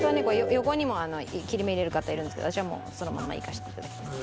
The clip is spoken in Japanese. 横にも切り目入れる方いるんですけど私はもうそのままいかせて頂きます。